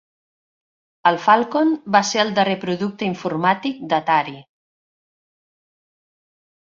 El Falcon va ser el darrer producte informàtic d'Atari.